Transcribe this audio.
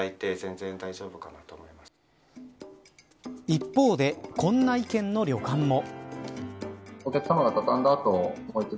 一方で、こんな意見の旅館も。